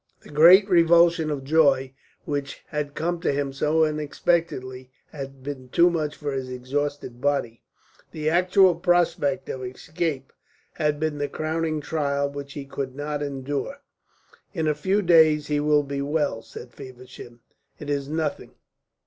The great revulsion of joy which had come to him so unexpectedly had been too much for his exhausted body. The actual prospect of escape had been the crowning trial which he could not endure. "In a few days he will be well," said Feversham. "It is nothing."